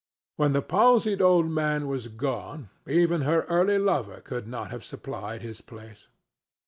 When the palsied old man was gone, even her early lover could not have supplied his place.